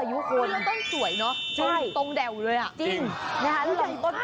อุ้ยใหญ่มาก